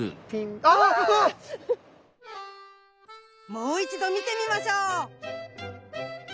もう一度見てみましょう。